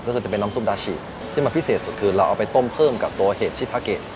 ก็คือจะเป็นน้ำซุปดาชิที่มันพิเศษสุดคือเราเอาไปต้มเพิ่มกับตัวเห็ดชิทาเกะ